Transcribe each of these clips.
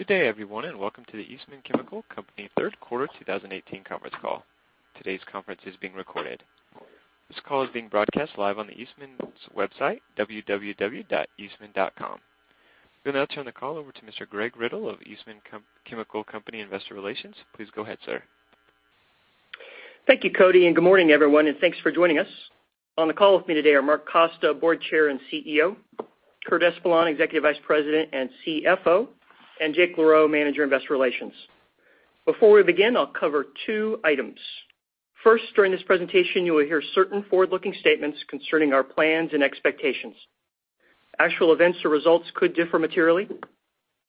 Good day, everyone. Welcome to the Eastman Chemical Company third quarter 2018 conference call. Today's conference is being recorded. This call is being broadcast live on the Eastman's website, www.eastman.com. We'll now turn the call over to Mr. Gregory Riddle of Eastman Chemical Company Investor Relations. Please go ahead, sir. Thank you, Cody. Good morning, everyone, and thanks for joining us. On the call with me today are Mark Costa, Board Chair and CEO, Curtis Espeland, Executive Vice President and CFO, and Jake LaRoe, Manager Investor Relations. Before we begin, I'll cover two items. First, during this presentation, you will hear certain forward-looking statements concerning our plans and expectations. Actual events or results could differ materially.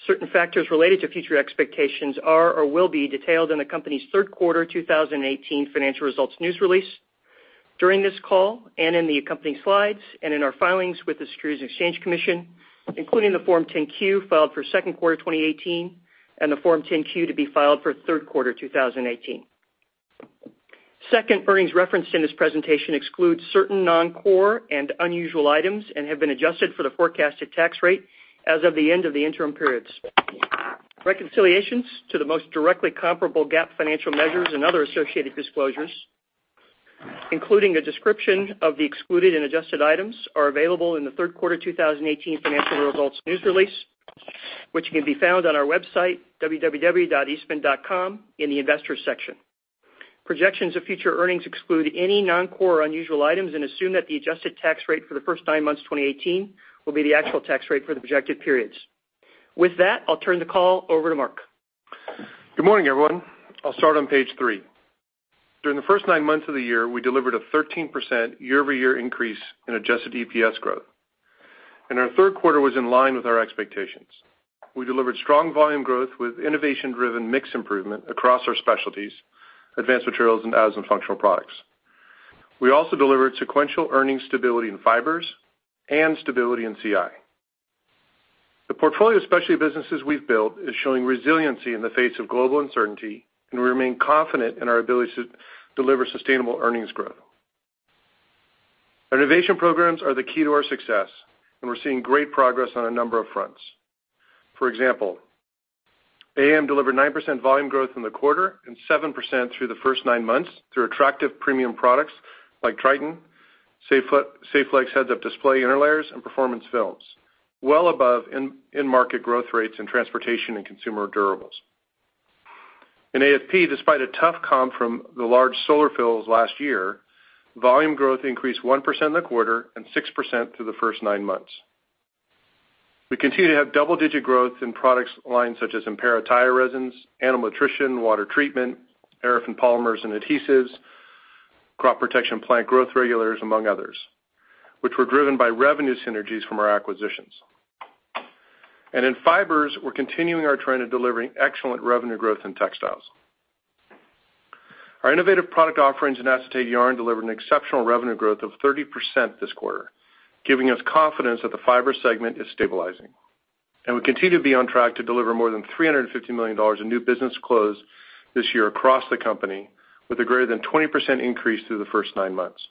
Certain factors related to future expectations are or will be detailed in the company's third quarter 2018 financial results news release, during this call and in the accompanying slides and in our filings with the Securities and Exchange Commission, including the Form 10-Q filed for second quarter 2018 and the Form 10-Q to be filed for third quarter 2018. Second, earnings referenced in this presentation excludes certain non-core and unusual items and have been adjusted for the forecasted tax rate as of the end of the interim periods. Reconciliations to the most directly comparable GAAP financial measures and other associated disclosures, including a description of the excluded and adjusted items, are available in the third quarter 2018 financial results news release, which can be found on our website, www.eastman.com, in the investors section. Projections of future earnings exclude any non-core unusual items and assume that the adjusted tax rate for the first nine months of 2018 will be the actual tax rate for the projected periods. With that, I'll turn the call over to Mark. Good morning, everyone. I'll start on page three. During the first nine months of the year, we delivered a 13% year-over-year increase in adjusted EPS growth, and our third quarter was in line with our expectations. We delivered strong volume growth with innovation-driven mix improvement across our specialties, Advanced Materials, and Additives & Functional Products. We also delivered sequential earnings stability in Fibers and stability in CI. The portfolio of specialty businesses we've built is showing resiliency in the face of global uncertainty, and we remain confident in our ability to deliver sustainable earnings growth. Innovation programs are the key to our success, and we're seeing great progress on a number of fronts. For example, AM delivered 9% volume growth in the quarter and 7% through the first nine months through attractive premium products like Tritan, Saflex Heads Up Display interlayers, and performance films, well above end market growth rates in transportation and consumer durables. In AFP, despite a tough comp from the large solar films last year, volume growth increased 1% in the quarter and 6% through the first nine months. We continue to have double-digit growth in product lines such as Impera tire resins, animal nutrition, water treatment, Aerafin polymers and adhesives, crop protection, plant growth regulators, among others, which were driven by revenue synergies from our acquisitions. In Fibers, we're continuing our trend of delivering excellent revenue growth in textiles. Our innovative product offerings in acetate yarn delivered an exceptional revenue growth of 30% this quarter, giving us confidence that the Fibers segment is stabilizing. We continue to be on track to deliver more than $350 million in new business closed this year across the company with a greater than 20% increase through the first nine months.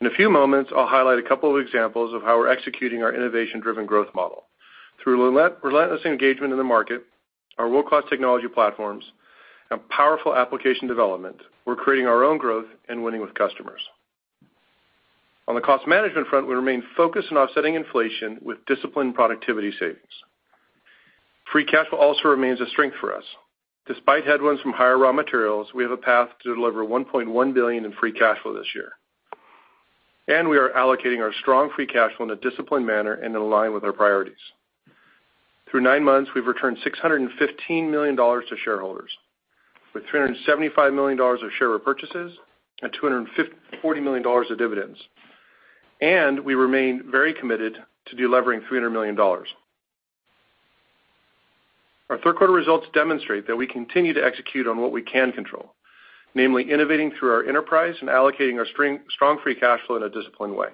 In a few moments, I'll highlight a couple of examples of how we're executing our innovation-driven growth model. Through relentless engagement in the market, our world-class technology platforms, and powerful application development, we're creating our own growth and winning with customers. On the cost management front, we remain focused on offsetting inflation with disciplined productivity savings. Free cash flow also remains a strength for us. Despite headwinds from higher raw materials, we have a path to deliver $1.1 billion in free cash flow this year. We are allocating our strong free cash flow in a disciplined manner and in line with our priorities. Through nine months, we've returned $615 million to shareholders, with $375 million of share repurchases and $240 million of dividends. We remain very committed to delevering $300 million. Our third quarter results demonstrate that we continue to execute on what we can control, namely innovating through our enterprise and allocating our strong free cash flow in a disciplined way.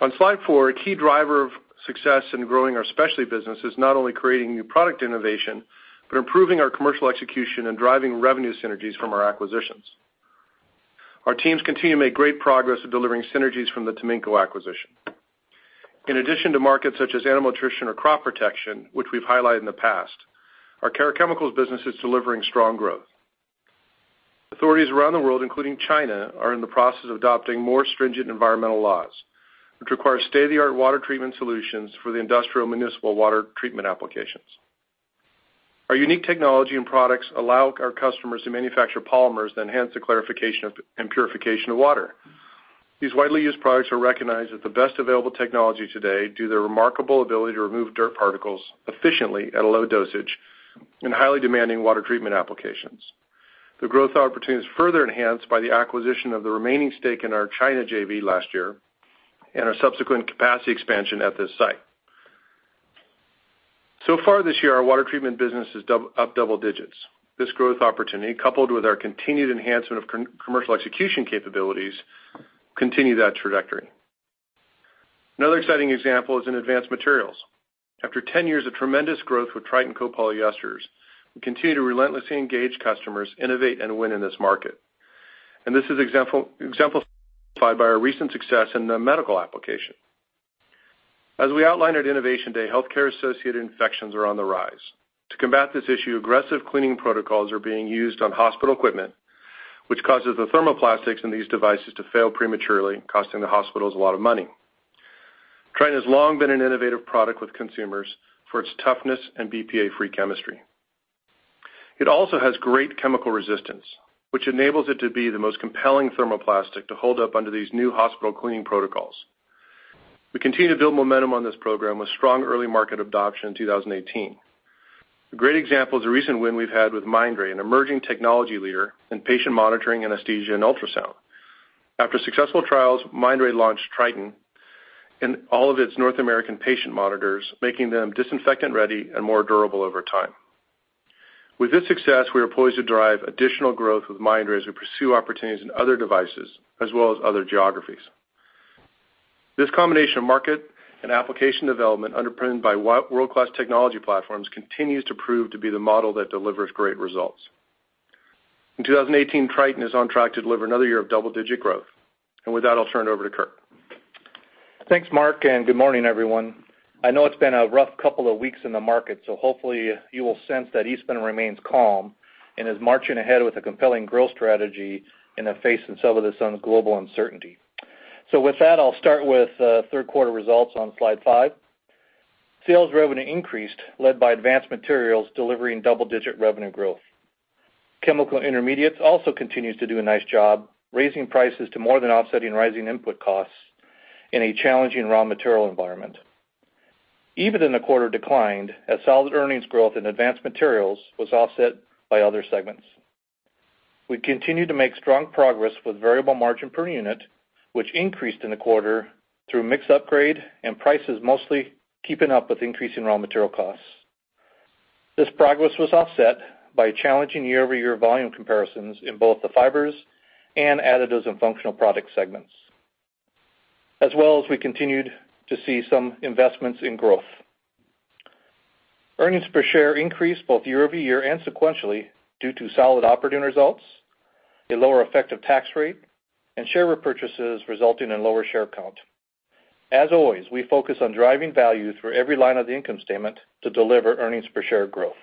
On slide four, a key driver of success in growing our specialty business is not only creating new product innovation, but improving our commercial execution and driving revenue synergies from our acquisitions. Our teams continue to make great progress in delivering synergies from the Taminco acquisition. In addition to markets such as animal nutrition or crop protection, which we've highlighted in the past, our care chemicals business is delivering strong growth. Authorities around the world, including China, are in the process of adopting more stringent environmental laws, which require state-of-the-art water treatment solutions for the industrial municipal water treatment applications. Our unique technology and products allow our customers to manufacture polymers that enhance the clarification and purification of water. These widely used products are recognized as the best available technology today due to their remarkable ability to remove dirt particles efficiently at a low dosage in highly demanding water treatment applications. The growth opportunity is further enhanced by the acquisition of the remaining stake in our China JV last year and our subsequent capacity expansion at this site. So far this year, our water treatment business is up double digits. This growth opportunity, coupled with our continued enhancement of commercial execution capabilities, continue that trajectory. Another exciting example is in Advanced Materials. After 10 years of tremendous growth with Tritan copolyester, we continue to relentlessly engage customers, innovate, and win in this market. This is exemplified by our recent success in the medical application. As we outlined at Innovation Day, healthcare-associated infections are on the rise. To combat this issue, aggressive cleaning protocols are being used on hospital equipment, which causes the thermoplastics in these devices to fail prematurely, costing the hospitals a lot of money. Tritan has long been an innovative product with consumers for its toughness and BPA-free chemistry. It also has great chemical resistance, which enables it to be the most compelling thermoplastic to hold up under these new hospital cleaning protocols. We continue to build momentum on this program with strong early market adoption in 2018. A great example is a recent win we've had with Mindray, an emerging technology leader in patient monitoring anesthesia and ultrasound. After successful trials, Mindray launched Tritan in all of its North American patient monitors, making them disinfectant-ready and more durable over time. With this success, we are poised to drive additional growth with Mindray as we pursue opportunities in other devices, as well as other geographies. This combination of market and application development underpinned by world-class technology platforms continues to prove to be the model that delivers great results. In 2018, Tritan is on track to deliver another year of double-digit growth. With that, I'll turn it over to Curt. Thanks, Mark, and good morning, everyone. I know it's been a rough couple of weeks in the market, hopefully you will sense that Eastman remains calm and is marching ahead with a compelling growth strategy in the face of some of this global uncertainty. With that, I'll start with third quarter results on slide five. Sales revenue increased, led by Advanced Materials delivering double-digit revenue growth. Chemical Intermediates also continues to do a nice job, raising prices to more than offsetting rising input costs in a challenging raw material environment. EBIT in the quarter declined as solid earnings growth in Advanced Materials was offset by other segments. We continue to make strong progress with variable margin per unit, which increased in the quarter through mix upgrade and prices mostly keeping up with increasing raw material costs. This progress was offset by challenging year-over-year volume comparisons in both the Fibers and Additives & Functional Products segments, as well as we continued to see some investments in growth. Earnings per share increased both year-over-year and sequentially due to solid operating results, a lower effective tax rate, and share repurchases resulting in lower share count. As always, we focus on driving value through every line of the income statement to deliver earnings per share growth.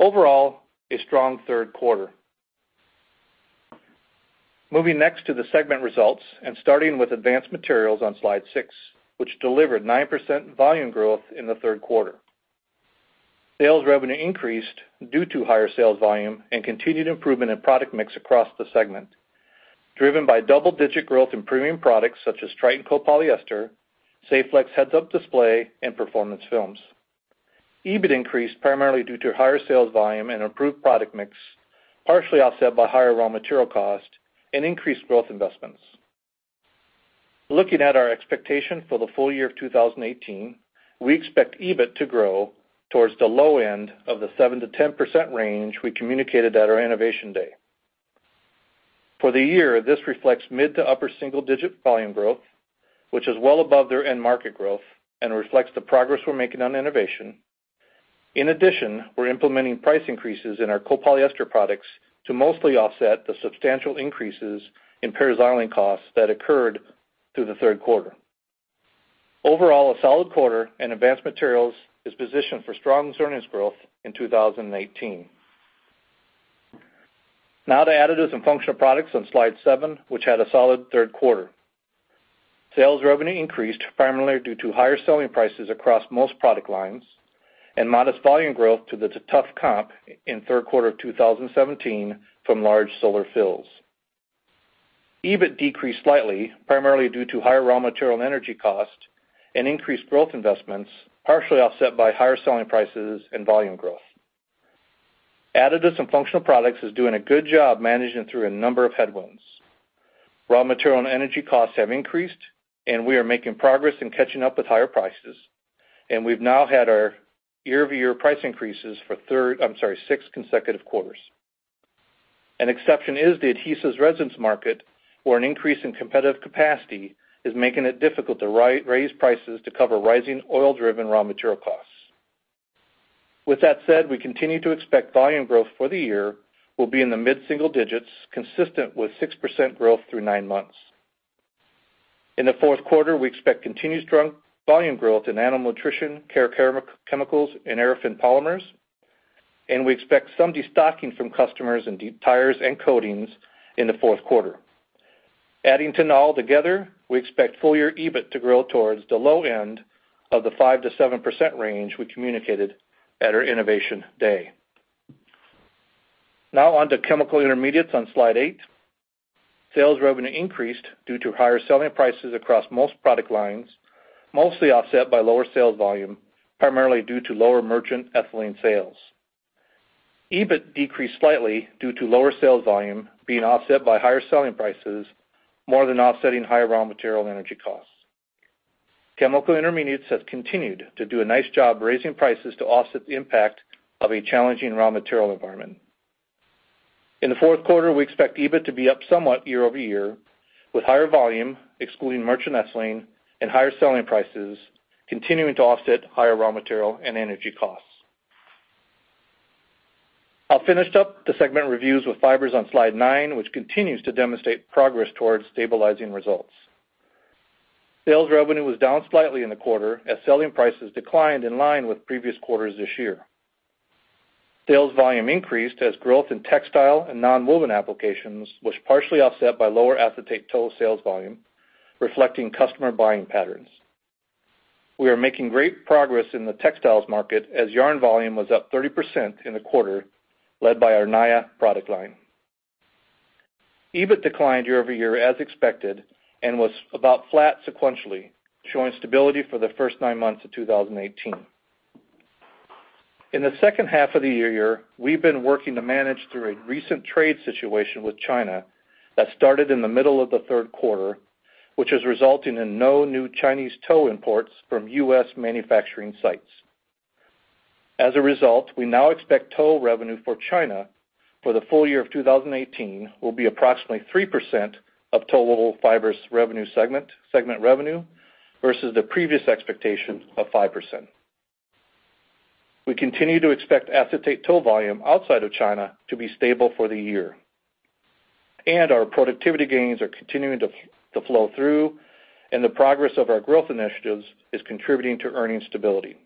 Overall, a strong third quarter. Moving next to the segment results and starting with Advanced Materials on slide six, which delivered 9% volume growth in the third quarter. Sales revenue increased due to higher sales volume and continued improvement in product mix across the segment, driven by double-digit growth in premium products such as Tritan copolyester, Saflex Heads Up Display, and Performance Films. EBIT increased primarily due to higher sales volume and improved product mix, partially offset by higher raw material cost and increased growth investments. Looking at our expectation for the full year of 2018, we expect EBIT to grow towards the low end of the 7%-10% range we communicated at our Innovation Day. For the year, this reflects mid to upper single-digit volume growth, which is well above their end market growth and reflects the progress we're making on innovation. In addition, we're implementing price increases in our copolyester products to mostly offset the substantial increases in paraxylene costs that occurred through the third quarter. Overall, a solid quarter, Advanced Materials is positioned for strong earnings growth in 2018. Now to Additives & Functional Products on slide seven, which had a solid third quarter. Sales revenue increased primarily due to higher selling prices across most product lines and modest volume growth to the tough comp in third quarter 2017 from large solar films. EBIT decreased slightly, primarily due to higher raw material and energy cost and increased growth investments, partially offset by higher selling prices and volume growth. Additives & Functional Products is doing a good job managing through a number of headwinds. Raw material and energy costs have increased. We are making progress in catching up with higher prices. We've now had our year-over-year price increases for six consecutive quarters. An exception is the adhesives resins market, where an increase in competitive capacity is making it difficult to raise prices to cover rising oil-driven raw material costs. With that said, we continue to expect volume growth for the year will be in the mid-single digits, consistent with 6% growth through nine months. In the fourth quarter, we expect continued strong volume growth in animal nutrition, care chemicals, and Arofine polymers. We expect some destocking from customers in tires and coatings in the fourth quarter. Adding to it all together, we expect full-year EBIT to grow towards the low end of the 5%-7% range we communicated at our Innovation Day. Now on to Chemical Intermediates on slide eight. Sales revenue increased due to higher selling prices across most product lines, mostly offset by lower sales volume, primarily due to lower merchant ethylene sales. EBIT decreased slightly due to lower sales volume being offset by higher selling prices, more than offsetting higher raw material energy costs. Chemical Intermediates has continued to do a nice job raising prices to offset the impact of a challenging raw material environment. In the fourth quarter, we expect EBIT to be up somewhat year-over-year, with higher volume, excluding merchant ethylene and higher selling prices continuing to offset higher raw material and energy costs. I'll finish up the segment reviews with Fibers on Slide nine, which continues to demonstrate progress towards stabilizing results. Sales revenue was down slightly in the quarter as selling prices declined in line with previous quarters this year. Sales volume increased as growth in textile and nonwoven applications was partially offset by lower acetate tow sales volume, reflecting customer buying patterns. We are making great progress in the textiles market, as yarn volume was up 30% in the quarter, led by our Naia product line. EBIT declined year-over-year as expected and was about flat sequentially, showing stability for the first nine months of 2018. In the second half of the year, we've been working to manage through a recent trade situation with China that started in the middle of the third quarter, which is resulting in no new Chinese tow imports from U.S. manufacturing sites. As a result, we now expect tow revenue for China for the full year of 2018 will be approximately 3% of total Fibers segment revenue versus the previous expectation of 5%. We continue to expect acetate tow volume outside of China to be stable for the year. Our productivity gains are continuing to flow through, and the progress of our growth initiatives is contributing to earnings stability.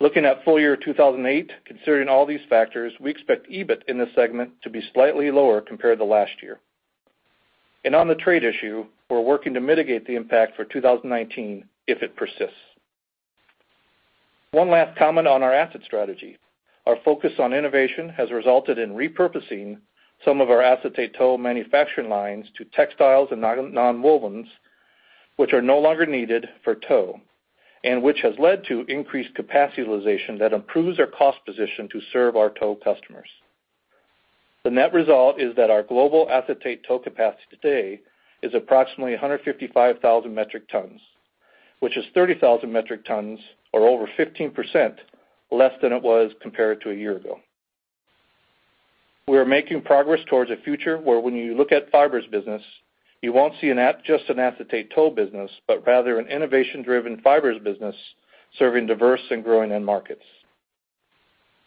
Looking at full year 2018, considering all these factors, we expect EBIT in this segment to be slightly lower compared to last year. On the trade issue, we're working to mitigate the impact for 2019 if it persists. One last comment on our asset strategy. Our focus on innovation has resulted in repurposing some of our acetate tow manufacturing lines to textiles and nonwovens, which are no longer needed for tow, and which has led to increased capacity utilization that improves our cost position to serve our tow customers. The net result is that our global acetate tow capacity today is approximately 155,000 metric tons, which is 30,000 metric tons or over 15% less than it was compared to a year-ago. We are making progress towards a future where when you look at Fibers business, you won't see just an acetate tow business, but rather an innovation-driven Fibers business serving diverse and growing end markets.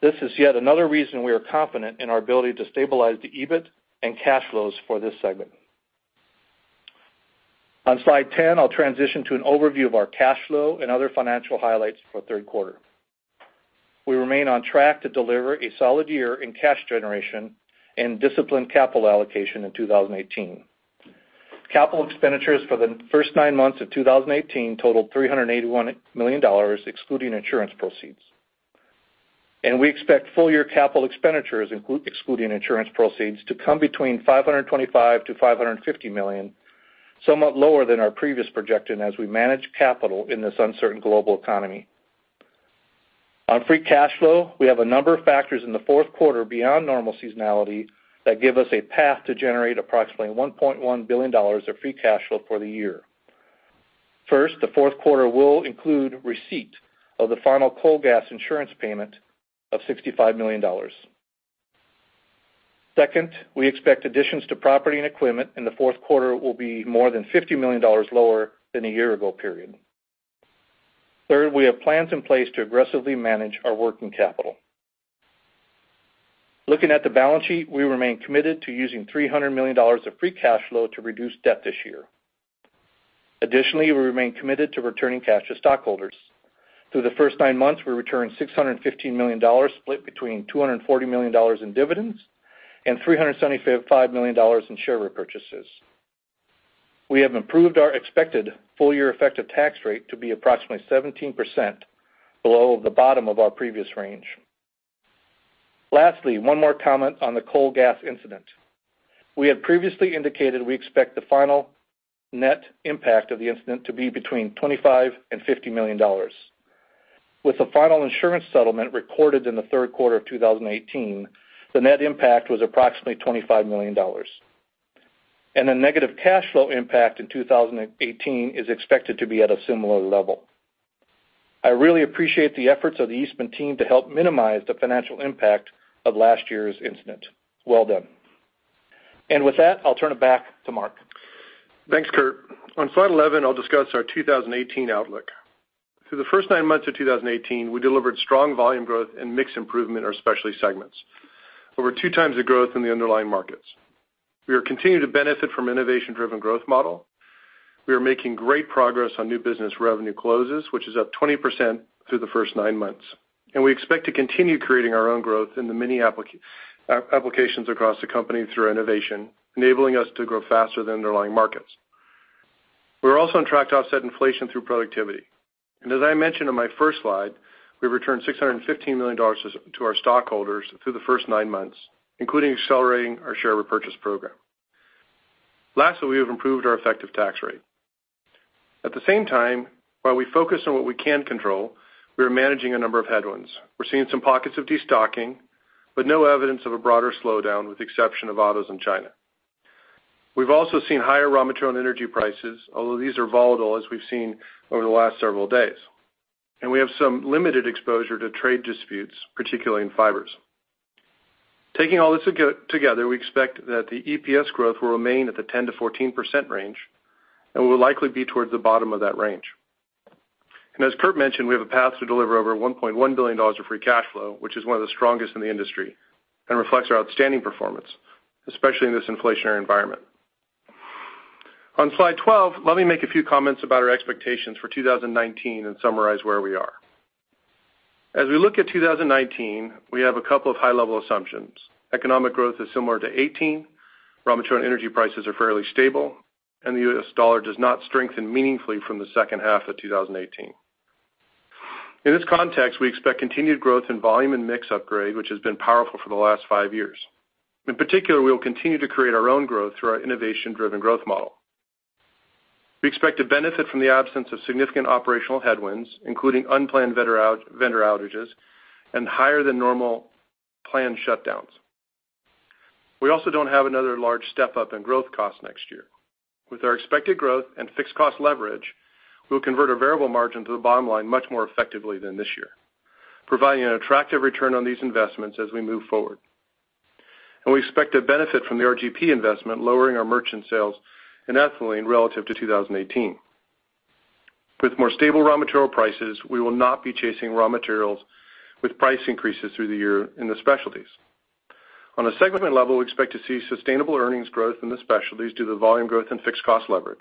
This is yet another reason we are confident in our ability to stabilize the EBIT and cash flows for this segment. On Slide 10, I'll transition to an overview of our cash flow and other financial highlights for the third quarter. We remain on track to deliver a solid year in cash generation and disciplined capital allocation in 2018. Capital expenditures for the first nine months of 2018 totaled $381 million, excluding insurance proceeds. We expect full year capital expenditures, excluding insurance proceeds, to come between $525 million-$550 million, somewhat lower than our previous projection as we manage capital in this uncertain global economy. On free cash flow, we have a number of factors in the fourth quarter beyond normal seasonality that give us a path to generate approximately $1.1 billion of free cash flow for the year. First, the fourth quarter will include receipt of the final coal gas insurance payment of $65 million. Second, we expect additions to property and equipment in the fourth quarter will be more than $50 million lower than the year-ago period. Third, we have plans in place to aggressively manage our working capital. Looking at the balance sheet, we remain committed to using $300 million of free cash flow to reduce debt this year. Additionally, we remain committed to returning cash to stockholders. Through the first nine months, we returned $615 million, split between $240 million in dividends and $375 million in share repurchases. We have improved our expected full year effective tax rate to be approximately 17% below the bottom of our previous range. Lastly, one more comment on the coal gas incident. We had previously indicated we expect the final net impact of the incident to be between $25 million and $50 million. With the final insurance settlement recorded in the third quarter of 2018, the net impact was approximately $25 million. The negative cash flow impact in 2018 is expected to be at a similar level. I really appreciate the efforts of the Eastman team to help minimize the financial impact of last year's incident. Well done. With that, I'll turn it back to Mark. Thanks, Curt. On slide 11, I'll discuss our 2018 outlook. Through the first nine months of 2018, we delivered strong volume growth and mix improvement in our specialty segments, over two times the growth in the underlying markets. We are continuing to benefit from innovation-driven growth model. We are making great progress on new business revenue closes, which is up 20% through the first nine months. We expect to continue creating our own growth in the many applications across the company through innovation, enabling us to grow faster than underlying markets. We are also on track to offset inflation through productivity. As I mentioned on my first slide, we returned $615 million to our stockholders through the first nine months, including accelerating our share repurchase program. Lastly, we have improved our effective tax rate. At the same time, while we focus on what we can control, we are managing a number of headwinds. We're seeing some pockets of destocking, but no evidence of a broader slowdown with the exception of autos in China. We've also seen higher raw material and energy prices, although these are volatile, as we've seen over the last several days. We have some limited exposure to trade disputes, particularly in Fibers. Taking all this together, we expect that the EPS growth will remain at the 10%-14% range and will likely be towards the bottom of that range. As Curt mentioned, we have a path to deliver over $1.1 billion of free cash flow, which is one of the strongest in the industry and reflects our outstanding performance, especially in this inflationary environment. On slide 12, let me make a few comments about our expectations for 2019 and summarize where we are. As we look at 2019, we have a couple of high-level assumptions. Economic growth is similar to 2018, raw material and energy prices are fairly stable, and the U.S. dollar does not strengthen meaningfully from the second half of 2018. In this context, we expect continued growth in volume and mix upgrade, which has been powerful for the last five years. In particular, we will continue to create our own growth through our innovation-driven growth model. We expect to benefit from the absence of significant operational headwinds, including unplanned vendor outages and higher than normal planned shutdowns. We also don't have another large step-up in growth cost next year. With our expected growth and fixed cost leverage, we'll convert our variable margin to the bottom line much more effectively than this year, providing an attractive return on these investments as we move forward. We expect to benefit from the RGP investment, lowering our merchant sales in ethylene relative to 2018. With more stable raw material prices, we will not be chasing raw materials with price increases through the year in the specialties. On a segment level, we expect to see sustainable earnings growth in the specialties due to volume growth and fixed cost leverage,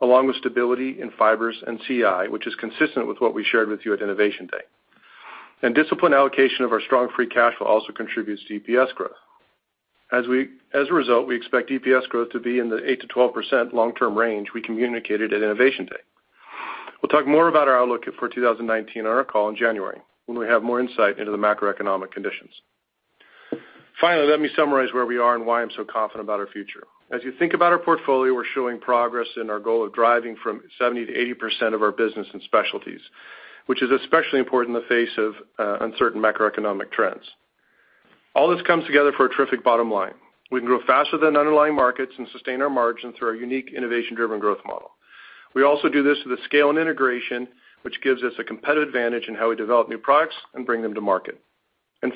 along with stability in Fibers and CI, which is consistent with what we shared with you at Innovation Day. Disciplined allocation of our strong free cash flow also contributes to EPS growth. As a result, we expect EPS growth to be in the 8%-12% long-term range we communicated at Innovation Day. We'll talk more about our outlook for 2019 on our call in January, when we have more insight into the macroeconomic conditions. Finally, let me summarize where we are and why I'm so confident about our future. As you think about our portfolio, we're showing progress in our goal of driving from 70%-80% of our business in specialties, which is especially important in the face of uncertain macroeconomic trends. All this comes together for a terrific bottom line. We can grow faster than underlying markets and sustain our margins through our unique innovation-driven growth model. We also do this with a scale and integration, which gives us a competitive advantage in how we develop new products and bring them to market.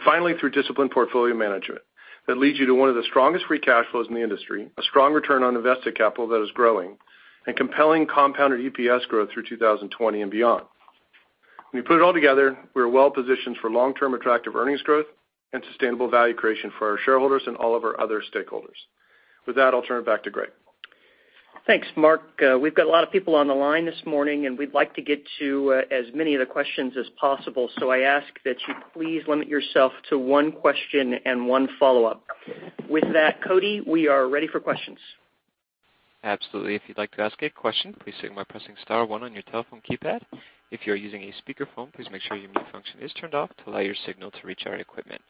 Finally, through disciplined portfolio management that leads you to one of the strongest free cash flows in the industry, a strong return on invested capital that is growing, and compelling compounded EPS growth through 2020 and beyond. When you put it all together, we are well positioned for long-term attractive earnings growth and sustainable value creation for our shareholders and all of our other stakeholders. With that, I'll turn it back to Greg. Thanks, Mark. We've got a lot of people on the line this morning, and we'd like to get to as many of the questions as possible, so I ask that you please limit yourself to one question and one follow-up. With that, Cody, we are ready for questions. Absolutely. If you'd like to ask a question, please signal by pressing star one on your telephone keypad. If you're using a speakerphone, please make sure your mute function is turned off to allow your signal to reach our equipment.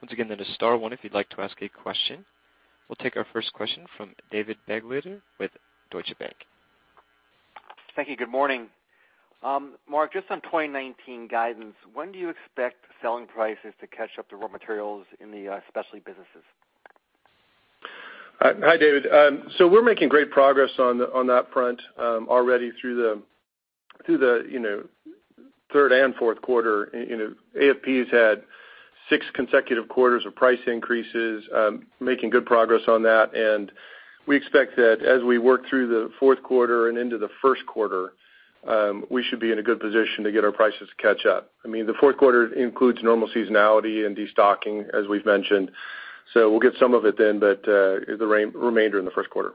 Once again, that is star one if you'd like to ask a question. We'll take our first question from David Begleiter with Deutsche Bank. Thank you. Good morning. Mark, just on 2019 guidance, when do you expect selling prices to catch up to raw materials in the specialty businesses? Hi, David. We're making great progress on that front already through the third and fourth quarter. AFP has had six consecutive quarters of price increases, making good progress on that. We expect that as we work through the fourth quarter and into the first quarter, we should be in a good position to get our prices to catch up. The fourth quarter includes normal seasonality and destocking, as we've mentioned. We'll get some of it then, but the remainder in the first quarter.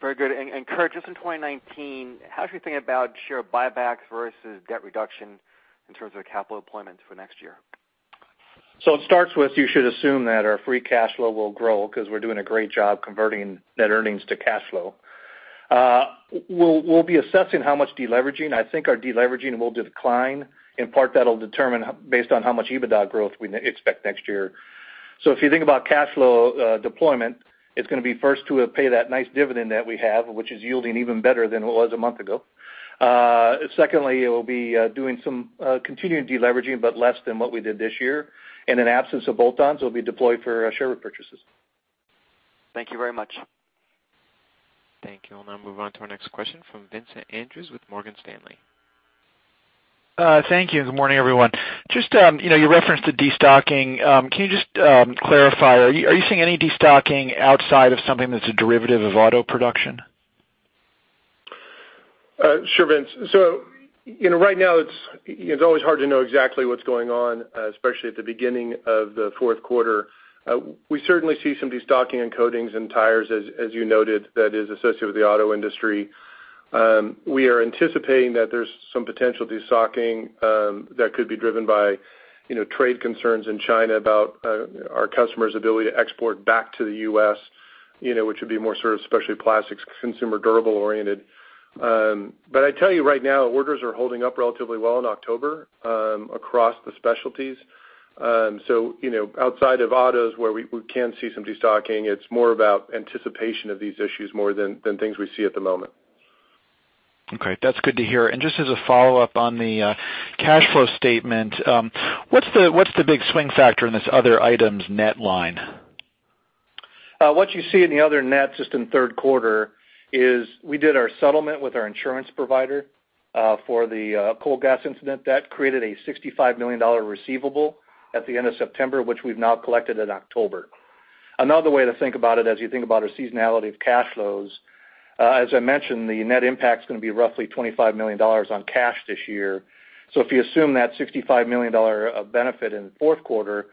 Very good. Curt, just on 2019, how should we think about share buybacks versus debt reduction in terms of capital deployment for next year? It starts with, you should assume that our free cash flow will grow because we're doing a great job converting net earnings to cash flow. We will be assessing how much deleveraging. I think our deleveraging will decline. In part, that will determine based on how much EBITDA growth we expect next year. If you think about cash flow deployment, it is going to be first to pay that nice dividend that we have, which is yielding even better than it was a month ago. Secondly, it will be doing some continuing deleveraging, but less than what we did this year. In absence of bolt-ons, it will be deployed for share purchases. Thank you very much. Thank you. I will now move on to our next question from Vincent Andrews with Morgan Stanley. Thank you, good morning, everyone. Just your reference to destocking, can you just clarify, are you seeing any destocking outside of something that is a derivative of auto production? Sure, Vince. Right now it's always hard to know exactly what's going on, especially at the beginning of the fourth quarter. We certainly see some destocking in coatings and tires, as you noted, that is associated with the auto industry. We are anticipating that there's some potential destocking that could be driven by trade concerns in China about our customer's ability to export back to the U.S., which would be more sort of specialty plastics, consumer durable oriented. I tell you right now, orders are holding up relatively well in October across the specialties. Outside of autos where we can see some destocking, it's more about anticipation of these issues more than things we see at the moment. Okay. That's good to hear. Just as a follow-up on the cash flow statement, what's the big swing factor in this other items net line? What you see in the other net, just in third quarter, is we did our settlement with our insurance provider for the coal gas incident. That created a $65 million receivable at the end of September, which we've now collected in October. Another way to think about it, as you think about our seasonality of cash flows, as I mentioned, the net impact is going to be roughly $25 million on cash this year. If you assume that $65 million of benefit in the fourth quarter,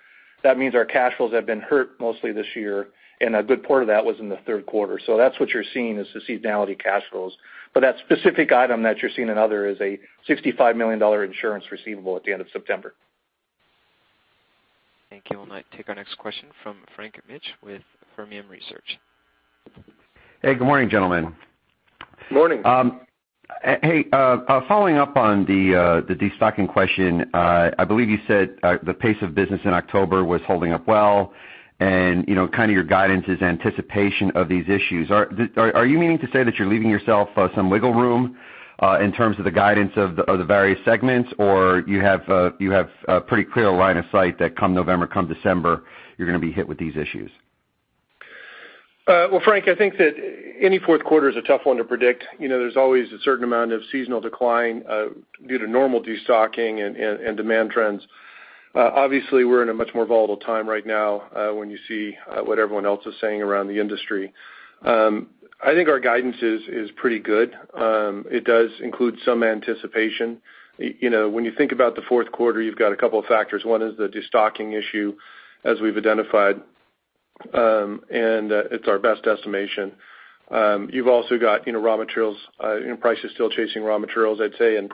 that means our cash flows have been hurt mostly this year, and a good part of that was in the third quarter. That's what you're seeing is the seasonality of cash flows. That specific item that you're seeing in other is a $65 million insurance receivable at the end of September. Thank you. We'll now take our next question from Frank Mitsch with Fermium Research. Hey, good morning, gentlemen. Morning. Hey, following up on the de-stocking question. I believe you said the pace of business in October was holding up well, and kind of your guidance is anticipation of these issues. Are you meaning to say that you're leaving yourself some wiggle room in terms of the guidance of the various segments? Or you have a pretty clear line of sight that come November, come December, you're going to be hit with these issues? Well, Frank, I think that any fourth quarter is a tough one to predict. There's always a certain amount of seasonal decline due to normal de-stocking and demand trends. Obviously, we're in a much more volatile time right now when you see what everyone else is saying around the industry. I think our guidance is pretty good. It does include some anticipation. When you think about the fourth quarter, you've got a couple of factors. One is the de-stocking issue, as we've identified, and it's our best estimation. You've also got raw materials, and price is still chasing raw materials, I'd say. In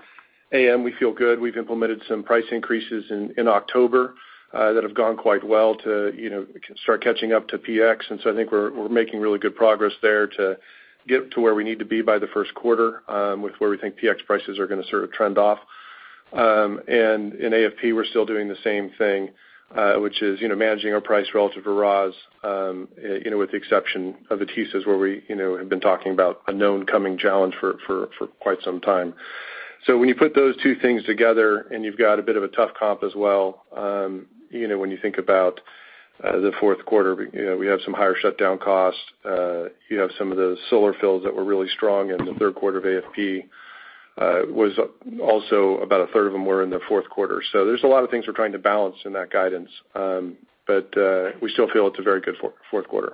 AM, we feel good. We've implemented some price increases in October that have gone quite well to start catching up to PX. I think we're making really good progress there to get to where we need to be by the first quarter with where we think PX prices are going to sort of trend off. In AFP, we're still doing the same thing, which is managing our price relative to raws, with the exception of adhesives, where we have been talking about a known coming challenge for quite some time. When you put those two things together, and you've got a bit of a tough comp as well, when you think about the fourth quarter, we have some higher shutdown costs. You have some of those solar films that were really strong in the third quarter of AFP, was also about a third of them were in the fourth quarter. There's a lot of things we're trying to balance in that guidance, but we still feel it's a very good fourth quarter.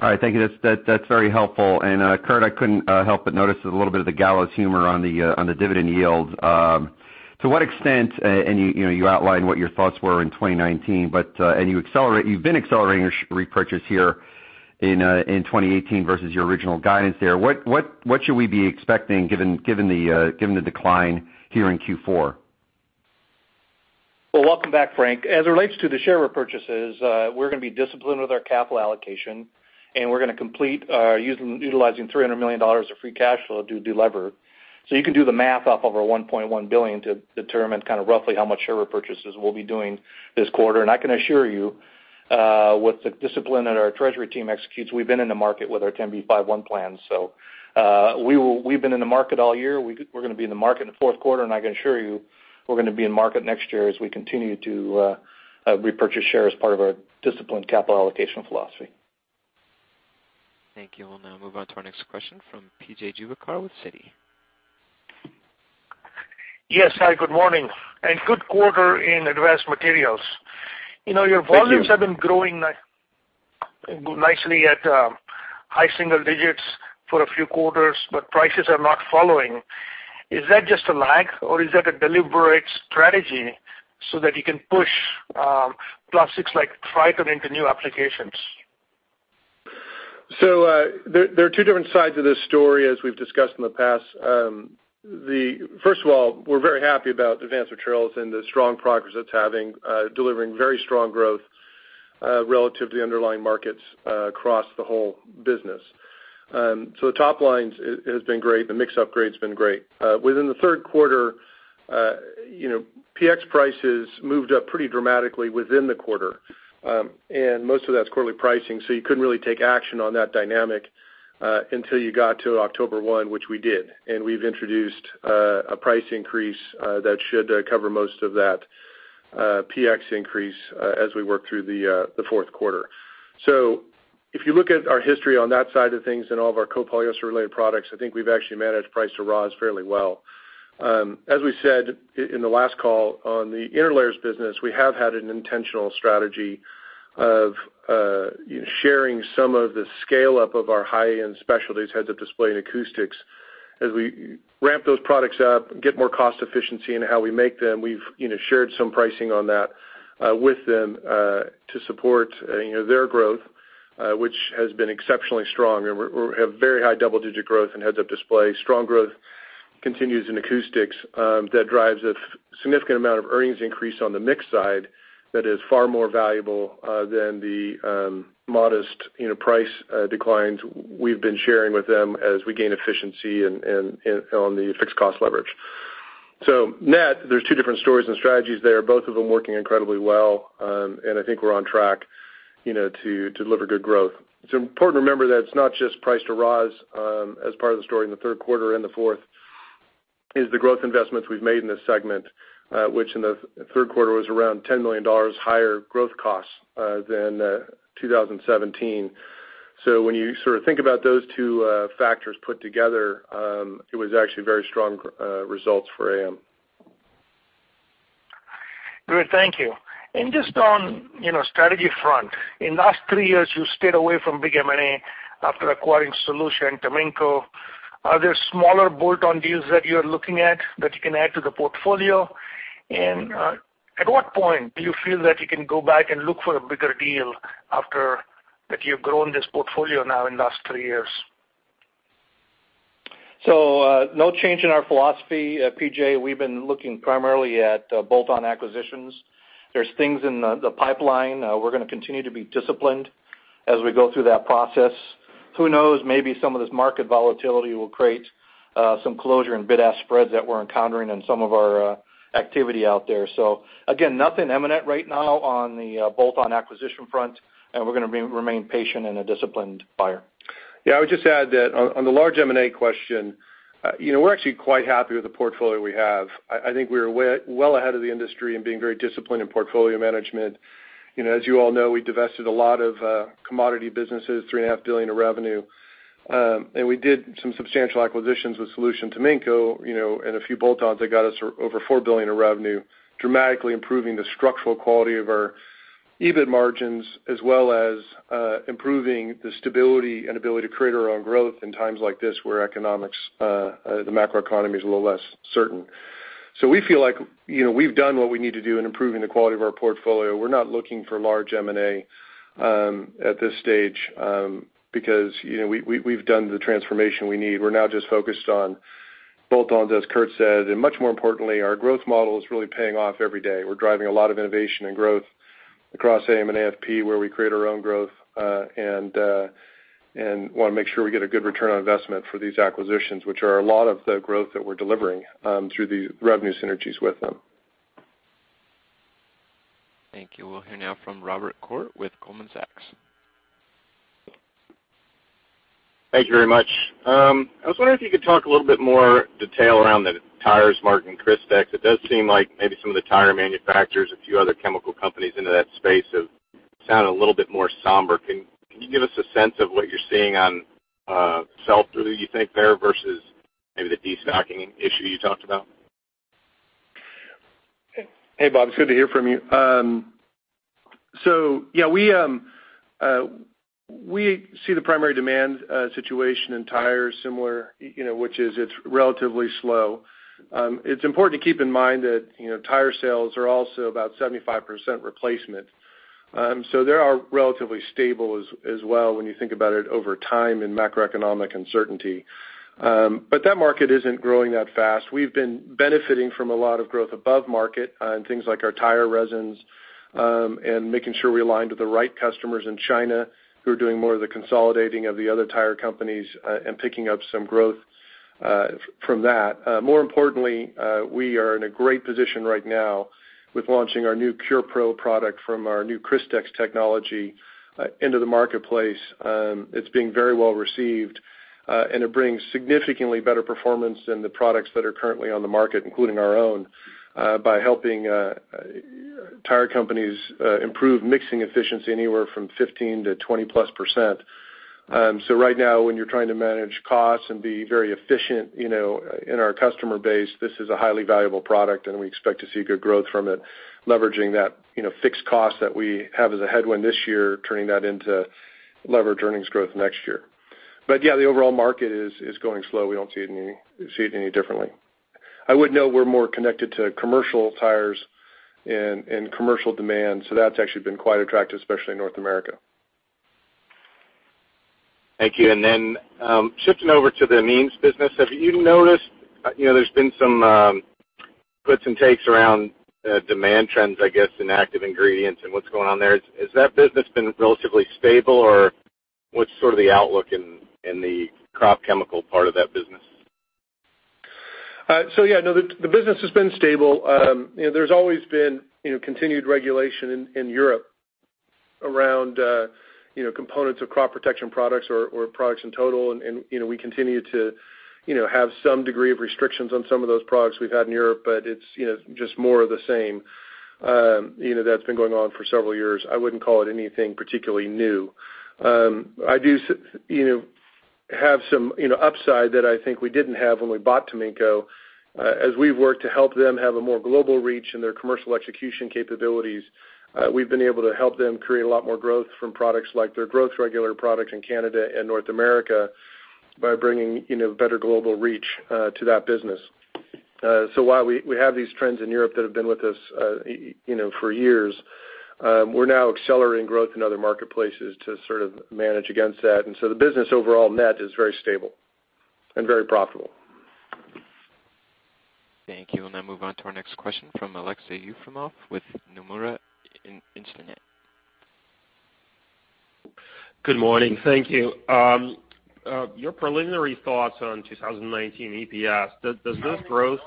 All right, thank you. That's very helpful. Curt, I couldn't help but notice a little bit of the gallows humor on the dividend yield. To what extent, and you outlined what your thoughts were in 2019, and you've been accelerating your repurchase here in 2018 versus your original guidance there. What should we be expecting given the decline here in Q4? Well, welcome back, Frank. As it relates to the share repurchases, we're going to be disciplined with our capital allocation, and we're going to complete utilizing $300 million of free cash flow to delever. You can do the math off of our $1.1 billion to determine kind of roughly how much share repurchases we'll be doing this quarter. I can assure you, with the discipline that our treasury team executes, we've been in the market with our 10b5-1 plan. We've been in the market all year. We're going to be in the market in the fourth quarter, and I can assure you we're going to be in market next year as we continue to repurchase shares, part of our disciplined capital allocation philosophy. Thank you. We'll now move on to our next question from P.J. Juvekar with Citi. Yes. Hi, good morning, good quarter in Advanced Materials. Thank you. Your volumes have been growing nicely at high single digits for a few quarters, prices are not following. Is that just a lag, or is that a deliberate strategy so that you can push plastics like Tritan into new applications? There are two different sides of this story, as we've discussed in the past. First of all, we're very happy about Advanced Materials and the strong progress it's having, delivering very strong growth relative to underlying markets across the whole business. The top line has been great. The mix upgrade has been great. Within the third quarter, PX prices moved up pretty dramatically within the quarter. Most of that's quarterly pricing, so you couldn't really take action on that dynamic until you got to October 1, which we did. We've introduced a price increase that should cover most of that PX increase as we work through the fourth quarter. If you look at our history on that side of things and all of our copolymer-related products, I think we've actually managed price to raws fairly well. As we said in the last call on the interlayers business, we have had an intentional strategy of sharing some of the scale-up of our high-end specialties, heads-up display, and acoustics. As we ramp those products up, get more cost efficiency in how we make them, we've shared some pricing on that with them to support their growth, which has been exceptionally strong. We have very high double-digit growth in heads-up display. Strong growth continues in acoustics. That drives a significant amount of earnings increase on the mix side that is far more valuable than the modest price declines we've been sharing with them as we gain efficiency on the fixed cost leverage. Net, there's two different stories and strategies there, both of them working incredibly well, and I think we're on track to deliver good growth. It's important to remember that it's not just price to raws as part of the story in the third quarter and the fourth is the growth investments we've made in this segment, which in the third quarter was around $10 million higher growth costs than 2017. When you sort of think about those two factors put together, it was actually very strong results for AM. Great. Thank you. Just on strategy front, in the last three years, you stayed away from big M&A after acquiring Solutia and Taminco. Are there smaller bolt-on deals that you're looking at that you can add to the portfolio? At what point do you feel that you can go back and look for a bigger deal after that you've grown this portfolio now in the last three years? No change in our philosophy, P.J. We've been looking primarily at bolt-on acquisitions. There's things in the pipeline. We're going to continue to be disciplined as we go through that process. Who knows, maybe some of this market volatility will create some closure in bid-ask spreads that we're encountering in some of our activity out there. Again, nothing imminent right now on the bolt-on acquisition front, and we're going to remain patient and a disciplined buyer. Yeah, I would just add that on the large M&A question, we're actually quite happy with the portfolio we have. I think we are well ahead of the industry in being very disciplined in portfolio management. As you all know, we divested a lot of commodity businesses, $3.5 billion of revenue. We did some substantial acquisitions with Solutia and Taminco, and a few bolt-ons that got us over $4 billion of revenue, dramatically improving the structural quality of our EBIT margins, as well as improving the stability and ability to create our own growth in times like this where economics, the macro economy, is a little less certain. We feel like we've done what we need to do in improving the quality of our portfolio. We're not looking for large M&A at this stage, because we've done the transformation we need. We're now just focused on bolt-ons, as Curt said, and much more importantly, our growth model is really paying off every day. We're driving a lot of innovation and growth across AM and AFP, where we create our own growth, and want to make sure we get a good return on investment for these acquisitions, which are a lot of the growth that we're delivering through the revenue synergies with them. Thank you. We'll hear now from Robert Koort with Goldman Sachs. Thank you very much. I was wondering if you could talk a little bit more detail around the tires market and Crystex. It does seem like maybe some of the tire manufacturers, a few other chemical companies into that space have sounded a little bit more somber. Can you give us a sense of what you're seeing on sell-through, you think there, versus maybe the destocking issue you talked about? Hey, Bob. It's good to hear from you. Yeah, we see the primary demand situation in tires similar, which is it's relatively slow. It's important to keep in mind that tire sales are also about 75% replacement. They are relatively stable as well when you think about it over time in macroeconomic uncertainty. That market isn't growing that fast. We've been benefiting from a lot of growth above market on things like our tire resins, and making sure we align to the right customers in China who are doing more of the consolidating of the other tire companies and picking up some growth from that. More importantly, we are in a great position right now with launching our new CurePro product from our new Crystex technology into the marketplace. It's being very well received, and it brings significantly better performance than the products that are currently on the market, including our own, by helping tire companies improve mixing efficiency anywhere from 15%-20%+. Right now, when you're trying to manage costs and be very efficient in our customer base, this is a highly valuable product, and we expect to see good growth from it, leveraging that fixed cost that we have as a headwind this year, turning that into leveraged earnings growth next year. Yeah, the overall market is going slow. We don't see it any differently. I would note we're more connected to commercial tires and commercial demand, so that's actually been quite attractive, especially in North America. Thank you. Then shifting over to the amines business, have you noticed there's been some puts and takes around demand trends, I guess, in active ingredients and what's going on there? Has that business been relatively stable, or what's sort of the outlook in the crop chemical part of that business? Yeah, no, the business has been stable. There's always been continued regulation in Europe around components of crop protection products or products in total, and we continue to have some degree of restrictions on some of those products we've had in Europe, but it's just more of the same that's been going on for several years. I wouldn't call it anything particularly new. I do have some upside that I think we didn't have when we bought Taminco. As we've worked to help them have a more global reach in their commercial execution capabilities, we've been able to help them create a lot more growth from products like their growth regular products in Canada and North America by bringing better global reach to that business. While we have these trends in Europe that have been with us for years, we're now accelerating growth in other marketplaces to sort of manage against that. The business overall net is very stable and very profitable. Thank you. We'll now move on to our next question from Aleksey Yefremov with Nomura Instinet. Good morning. Thank you. Your preliminary thoughts on 2019 EPS, does this growth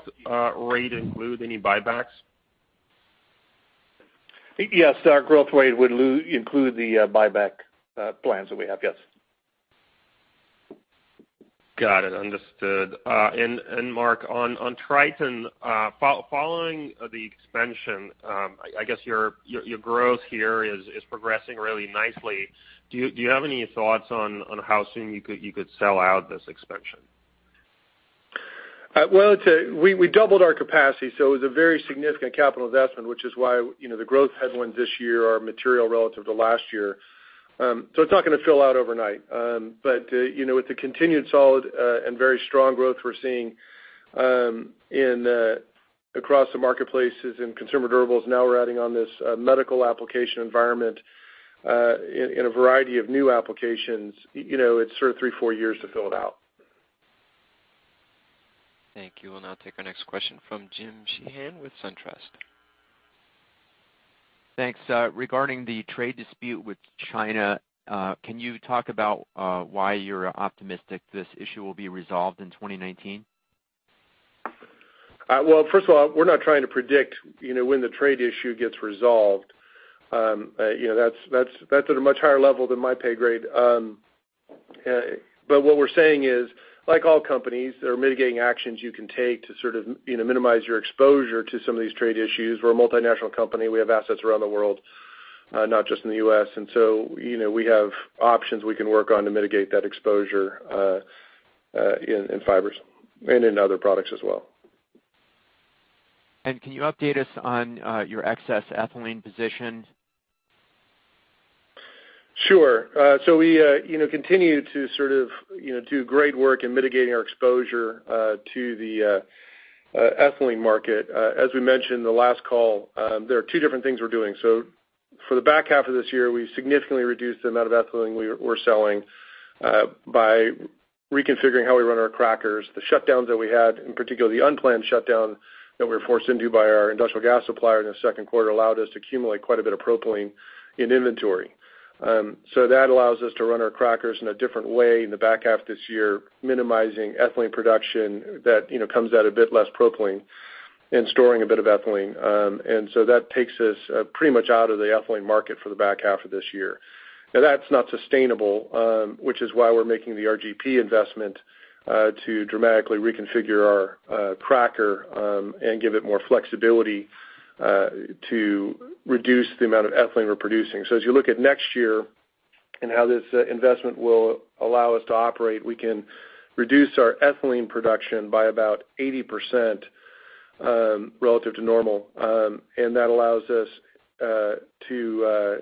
rate include any buybacks? Yes, our growth rate would include the buyback plans that we have. Yes. Got it. Understood. Mark, on Tritan, following the expansion, I guess your growth here is progressing really nicely. Do you have any thoughts on how soon you could sell out this expansion? Well, we doubled our capacity, it was a very significant capital investment, which is why the growth headwinds this year are material relative to last year. It's not going to fill out overnight. With the continued solid and very strong growth we're seeing across the marketplaces in consumer durables, now we're adding on this medical application environment in a variety of new applications. It's sort of three, four years to fill it out. Thank you. We'll now take our next question from James Sheehan with SunTrust. Thanks. Regarding the trade dispute with China, can you talk about why you're optimistic this issue will be resolved in 2019? First of all, we're not trying to predict when the trade issue gets resolved. That's at a much higher level than my pay grade. What we're saying is, like all companies, there are mitigating actions you can take to sort of minimize your exposure to some of these trade issues. We're a multinational company. We have assets around the world, not just in the U.S. We have options we can work on to mitigate that exposure in Fibers and in other products as well. Can you update us on your excess ethylene position? Sure. We continue to sort of do great work in mitigating our exposure to the ethylene market. As we mentioned the last call, there are two different things we're doing. For the back half of this year, we significantly reduced the amount of ethylene we're selling by reconfiguring how we run our crackers. The shutdowns that we had, in particular the unplanned shutdown that we were forced into by our industrial gas supplier in the second quarter, allowed us to accumulate quite a bit of propylene in inventory. That allows us to run our crackers in a different way in the back half of this year, minimizing ethylene production that comes at a bit less propylene and storing a bit of ethylene. That takes us pretty much out of the ethylene market for the back half of this year. That's not sustainable, which is why we're making the RGP investment to dramatically reconfigure our cracker and give it more flexibility to reduce the amount of ethylene we're producing. As you look at next year and how this investment will allow us to operate, we can reduce our ethylene production by about 80% relative to normal. That allows us to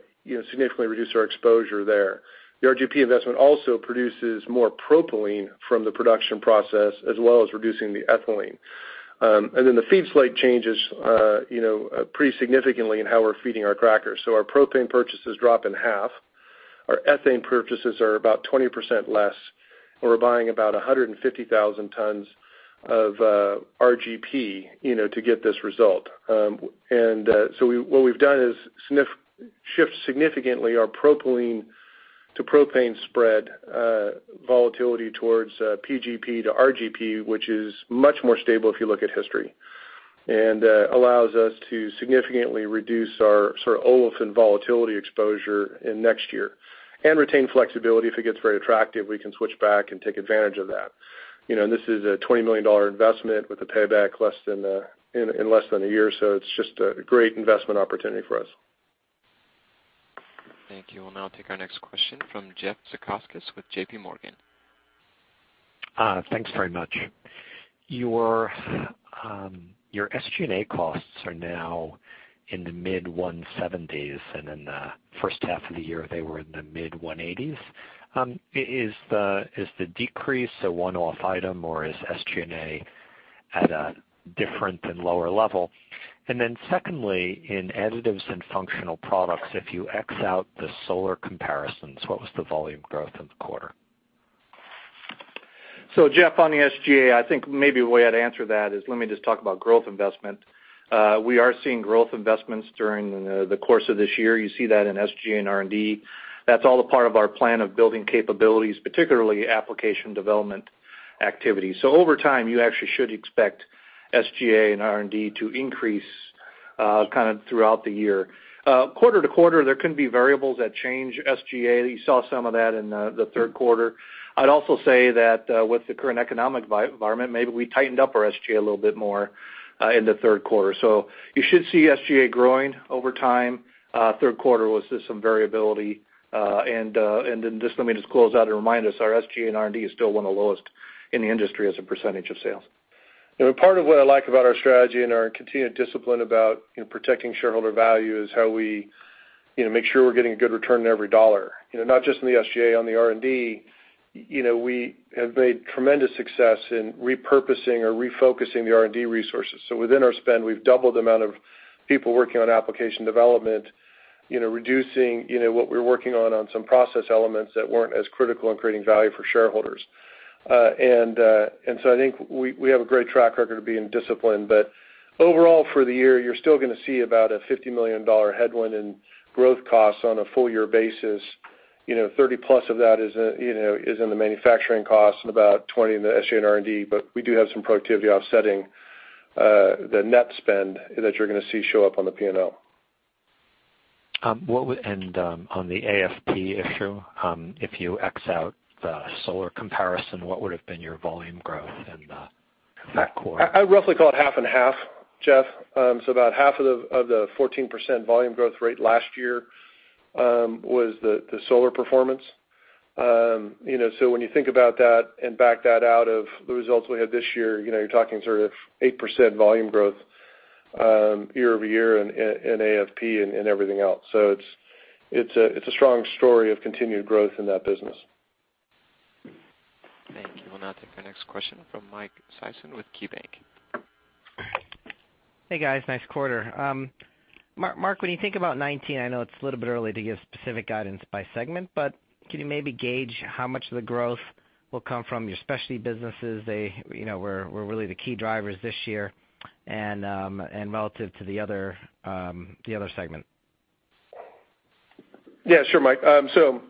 significantly reduce our exposure there. The RGP investment also produces more propylene from the production process, as well as reducing the ethylene. The feed slate changes pretty significantly in how we're feeding our crackers. Our propane purchases drop in half. Our ethane purchases are about 20% less, and we're buying about 150,000 tons of RGP to get this result. What we've done is shift significantly our propylene to propane spread volatility towards PGP to RGP, which is much more stable if you look at history, and allows us to significantly reduce our sort of olefin volatility exposure in next year and retain flexibility. If it gets very attractive, we can switch back and take advantage of that. This is a $20 million investment with a payback in less than a year. It's just a great investment opportunity for us. Thank you. We'll now take our next question from Jeffrey Zekauskas with JPMorgan. Thanks very much. Your SG&A costs are now in the mid-170s, and in the first half of the year, they were in the mid-180s. Is the decrease a one-off item, or is SG&A at a different and lower level? Secondly, in Additives & Functional Products, if you X out the solar comparisons, what was the volume growth in the quarter? Jeff, on the SG&A, I think maybe a way I'd answer that is let me just talk about growth investment. We are seeing growth investments during the course of this year. You see that in SG and R&D. That's all a part of our plan of building capabilities, particularly application development activities. Over time, you actually should expect SG&A and R&D to increase kind of throughout the year. Quarter to quarter, there can be variables that change SG&A. You saw some of that in the third quarter. I'd also say that with the current economic environment, maybe we tightened up our SG&A a little bit more in the third quarter. You should see SG&A growing over time. Third quarter was just some variability. Let me just close out and remind us, our SG&A and R&D is still one of the lowest in the industry as a % of sales. Part of what I like about our strategy and our continued discipline about protecting shareholder value is how we make sure we're getting a good return on every dollar. Not just in the SG&A, on the R&D, we have made tremendous success in repurposing or refocusing the R&D resources. Within our spend, we've doubled the amount of people working on application development, reducing what we were working on some process elements that weren't as critical in creating value for shareholders. I think we have a great track record of being disciplined. Overall for the year, you're still going to see about a $50 million headwind in growth costs on a full year basis. 30+ of that is in the manufacturing cost and about 20 in the SG&A and R&D, we do have some productivity offsetting the net spend that you're going to see show up on the P&L. On the AFP issue, if you X out the solar comparison, what would have been your volume growth in the core? I roughly call it half and half, Jeff. About half of the 14% volume growth rate last year was the solar performance. When you think about that and back that out of the results we had this year, you're talking sort of 8% volume growth year-over-year in AFP and everything else. It's a strong story of continued growth in that business. Thank you. We'll now take our next question from Mike Sison with KeyBank. Hey, guys. Nice quarter. Mark, when you think about 2019, I know it's a little bit early to give specific guidance by segment, can you maybe gauge how much of the growth will come from your specialty businesses, were really the key drivers this year and relative to the other segment? Yeah, sure, Mike. As I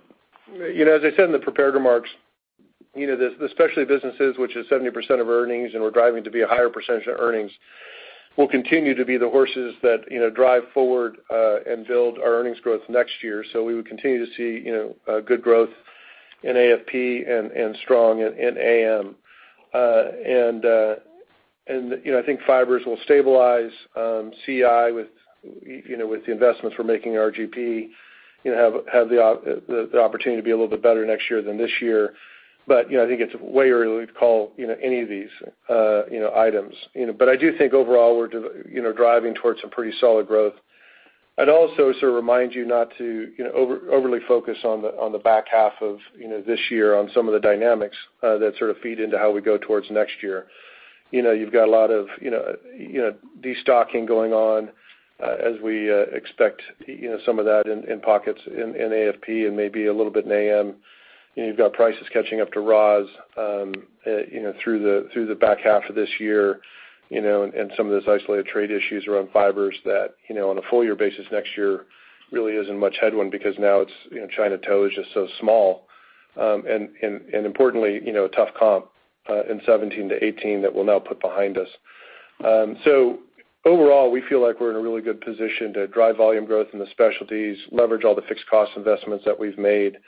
said in the prepared remarks, the specialty businesses, which is 70% of earnings, and we're driving to be a higher percentage of earnings, will continue to be the horses that drive forward and build our earnings growth next year. We would continue to see good growth in AFP and strong in AM. I think Fibers will stabilize CI with the investments we're making RGP, have the opportunity to be a little bit better next year than this year. I think it's way early to call any of these items. I do think overall, we're driving towards some pretty solid growth. I'd also sort of remind you not to overly focus on the back half of this year on some of the dynamics that sort of feed into how we go towards next year. You've got a lot of destocking going on as we expect some of that in pockets in AFP and maybe a little bit in AM. You've got prices catching up to raws through the back half of this year. Importantly, some of those isolated trade issues around Fibers that on a full year basis next year really isn't much headwind because now cig tow is just so small. A tough comp in 2017 to 2018 that we'll now put behind us. Overall, we feel like we're in a really good position to drive volume growth in the specialties, leverage all the fixed cost investments that we've made,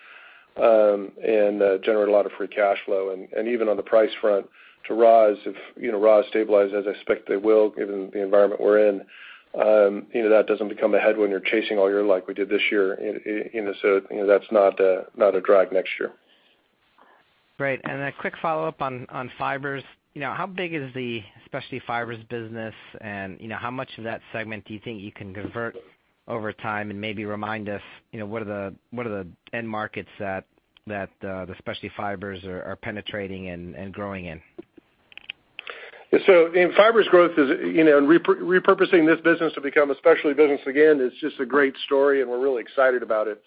and generate a lot of free cash flow. Even on the price front to raws, if raws stabilize, as I expect they will, given the environment we're in, that doesn't become a headwind. You're chasing all year like we did this year. That's not a drag next year. Great. A quick follow-up on Fibers. How big is the specialty Fibers business, and how much of that segment do you think you can convert over time? Maybe remind us, what are the end markets that the specialty Fibers are penetrating and growing in? In Fibers growth, repurposing this business to become a specialty business again is just a great story, and we're really excited about it.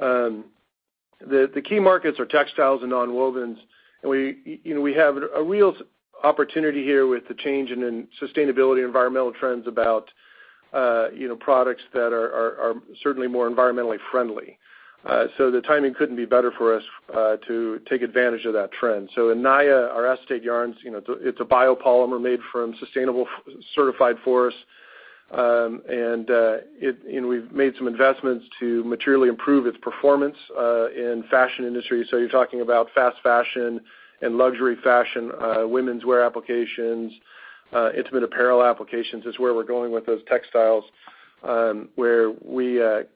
The key markets are textiles and nonwovens, and we have a real opportunity here with the change in sustainability environmental trends about products that are certainly more environmentally friendly. The timing couldn't be better for us to take advantage of that trend. In Naia, our acetate yarns, it's a biopolymer made from sustainable certified forests. We've made some investments to materially improve its performance in fashion industry. You're talking about fast fashion and luxury fashion, womenswear applications, intimate apparel applications is where we're going with those textiles, where we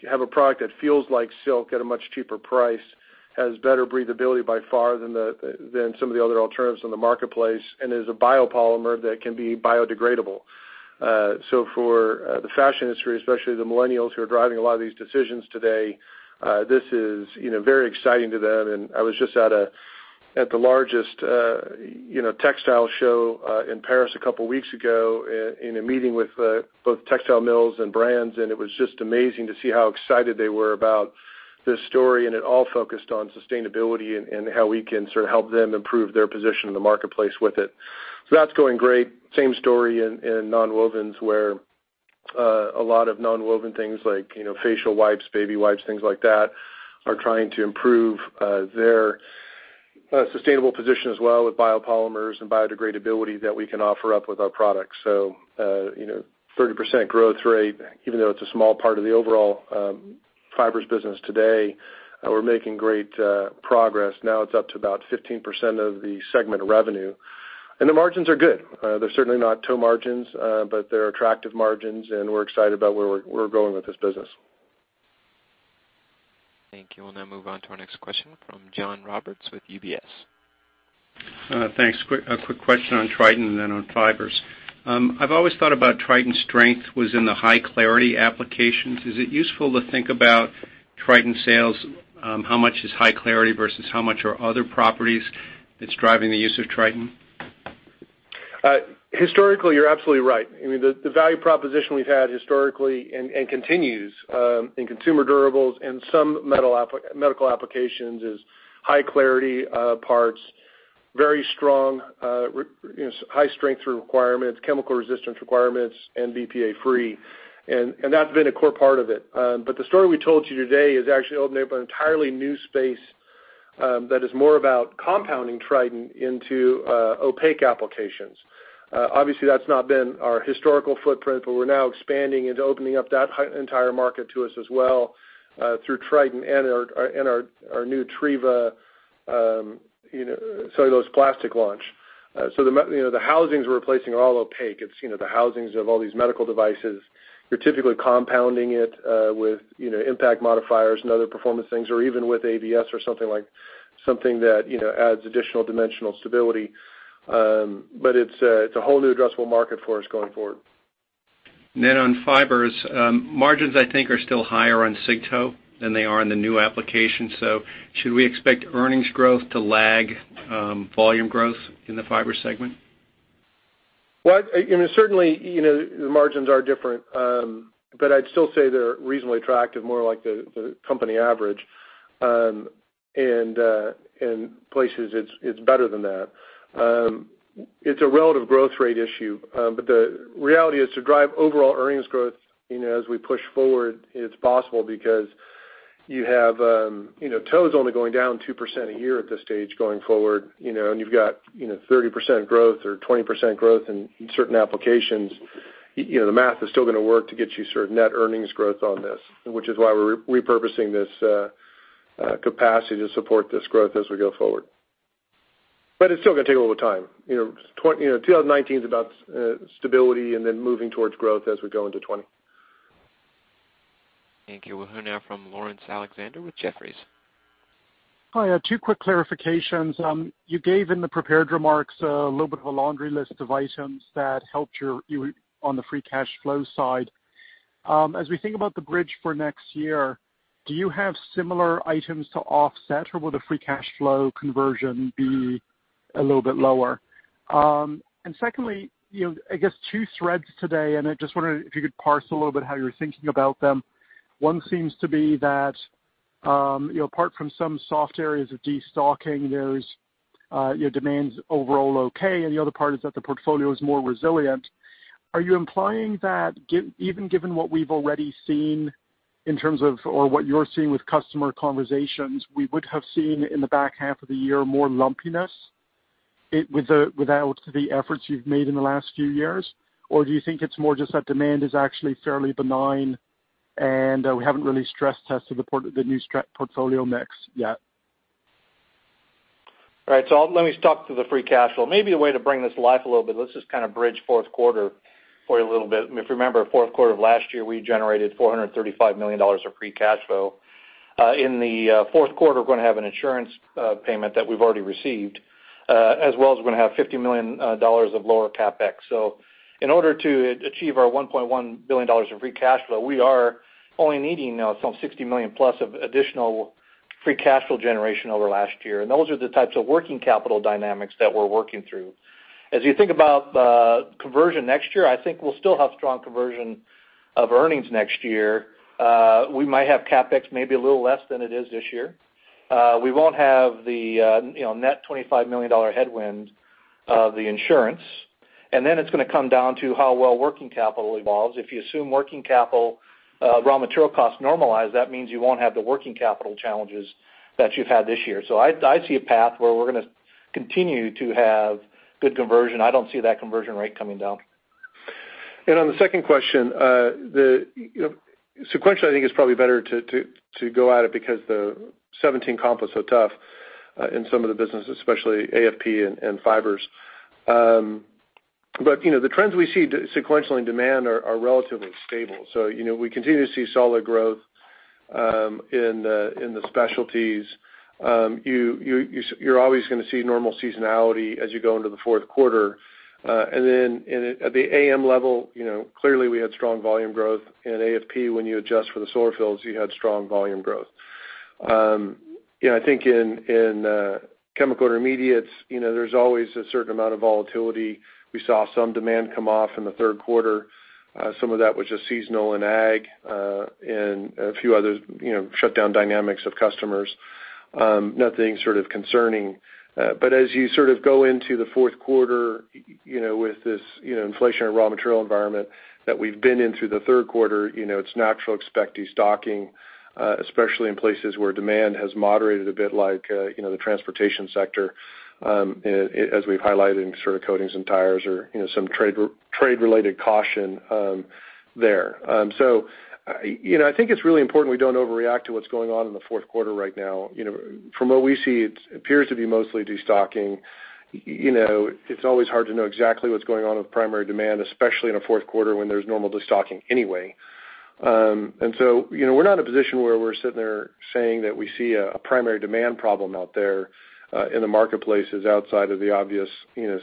have a product that feels like silk at a much cheaper price, has better breathability by far than some of the other alternatives in the marketplace, and is a biopolymer that can be biodegradable. For the fashion industry, especially the millennials who are driving a lot of these decisions today, this is very exciting to them, and I was just at the largest textile show in Paris a couple of weeks ago in a meeting with both textile mills and brands, and it was just amazing to see how excited they were about this story, and it all focused on sustainability and how we can sort of help them improve their position in the marketplace with it. That's going great. Same story in nonwovens, where a lot of nonwoven things like facial wipes, baby wipes, things like that, are trying to improve their sustainable position as well with biopolymers and biodegradability that we can offer up with our products. 30% growth rate, even though it's a small part of the overall Fibers business today, we're making great progress. Now it's up to about 15% of the segment revenue. The margins are good. They're certainly not tow margins, but they're attractive margins, and we're excited about where we're going with this business. Thank you. We'll now move on to our next question from John Roberts with UBS. Thanks. A quick question on Tritan and then on Fibers. I've always thought about Tritan strength was in the high clarity applications. Is it useful to think about Tritan sales, how much is high clarity versus how much are other properties that's driving the use of Tritan? Historically, you're absolutely right. The value proposition we've had historically and continues in consumer durables and some medical applications is high clarity parts, very strong, high strength requirements, chemical resistance requirements, and BPA-free. That's been a core part of it. The story we told you today is actually opening up an entirely new space that is more about compounding Tritan into opaque applications. Obviously, that's not been our historical footprint, but we're now expanding and opening up that entire market to us as well through Tritan and our new Treva cellulose plastic launch. The housings we're replacing are all opaque. It's the housings of all these medical devices. You're typically compounding it with impact modifiers and other performance things, or even with ABS or something that adds additional dimensional stability. It's a whole new addressable market for us going forward. On Fibers, margins, I think, are still higher on cig tow than they are in the new application. Should we expect earnings growth to lag volume growth in the fiber segment? Certainly, the margins are different, I'd still say they're reasonably attractive, more like the company average. In places, it's better than that. It's a relative growth rate issue, the reality is to drive overall earnings growth as we push forward, it's possible because you have cig tow's only going down 2% a year at this stage going forward, and you've got 30% growth or 20% growth in certain applications. The math is still going to work to get you certain net earnings growth on this, which is why we're repurposing this capacity to support this growth as we go forward. It's still going to take a little time. 2019 is about stability and then moving towards growth as we go into 2020. Thank you. We'll hear now from Laurence Alexander with Jefferies. Hi, two quick clarifications. You gave in the prepared remarks a little bit of a laundry list of items that helped you on the free cash flow side. As we think about the bridge for next year, do you have similar items to offset, or will the free cash flow conversion be a little bit lower? Secondly, I guess two threads today, and I just wonder if you could parse a little bit how you're thinking about them. One seems to be that apart from some soft areas of destocking, your demand's overall okay, and the other part is that the portfolio is more resilient. Are you implying that even given what we've already seen in terms of, or what you're seeing with customer conversations, we would have seen in the back half of the year more lumpiness without the efforts you've made in the last few years? Do you think it's more just that demand is actually fairly benign, and we haven't really stress tested the new portfolio mix yet? Right. Let me talk to the free cash flow. Maybe a way to bring this to life a little bit, let's just kind of bridge fourth quarter for you a little bit. If you remember, fourth quarter of last year, we generated $435 million of free cash flow. In the fourth quarter, we're going to have an insurance payment that we've already received, as well as we're going to have $50 million of lower CapEx. In order to achieve our $1.1 billion in free cash flow, we are only needing now some $60 million plus of additional free cash flow generation over last year. Those are the types of working capital dynamics that we're working through. As you think about conversion next year, I think we'll still have strong conversion of earnings next year. We might have CapEx maybe a little less than it is this year. We won't have the net $25 million headwind of the insurance. It's going to come down to how well working capital evolves. If you assume working capital raw material costs normalize, that means you won't have the working capital challenges that you've had this year. I see a path where we're going to continue to have good conversion. I don't see that conversion rate coming down. On the second question, sequentially, I think it's probably better to go at it because the 2017 comp was so tough in some of the businesses, especially AFP and Fibers. The trends we see sequentially in demand are relatively stable. We continue to see solid growth in the specialties. You're always going to see normal seasonality as you go into the fourth quarter. At the AM level, clearly we had strong volume growth in AFP. When you adjust for the solar films, you had strong volume growth. I think in Chemical Intermediates, there's always a certain amount of volatility. We saw some demand come off in the third quarter. Some of that was just seasonal in ag, and a few other shutdown dynamics of customers. Nothing sort of concerning. As you go into the fourth quarter, with this inflationary raw material environment that we've been in through the third quarter, it's natural to expect destocking, especially in places where demand has moderated a bit like the transportation sector, as we've highlighted in coatings and tires or some trade-related caution there. I think it's really important we don't overreact to what's going on in the fourth quarter right now. From what we see, it appears to be mostly destocking. It's always hard to know exactly what's going on with primary demand, especially in a fourth quarter when there's normal destocking anyway. We're not in a position where we're sitting there saying that we see a primary demand problem out there in the marketplaces outside of the obvious